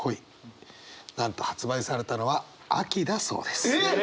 なんと発売されたのは秋だそうです。えっ！？